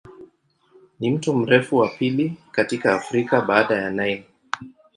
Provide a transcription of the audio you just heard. Ni mto mrefu wa pili katika Afrika baada ya Nile.